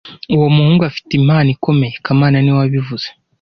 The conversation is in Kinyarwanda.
Uwo muhungu afite impano ikomeye kamana niwe wabivuze